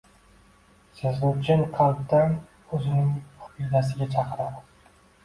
Sizni chin qalbdan o‘zining aqidasiga chaqiradi.